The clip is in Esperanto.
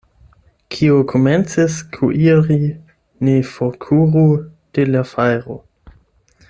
Kiu komencis kuiri, ne forkuru de la fajro.